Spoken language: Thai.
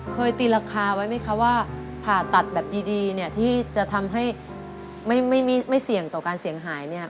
เคยตีราคาไว้ไหมคะว่าผ่าตัดแบบดีเนี่ยที่จะทำให้ไม่เสี่ยงต่อการเสี่ยงหายเนี่ย